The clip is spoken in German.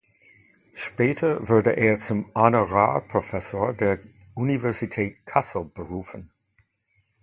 Später wurde er zum Honorarprofessor der Universität Kassel berufen.